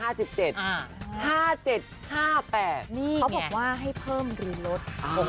เขาบอกว่าให้เพิ่มหรือลด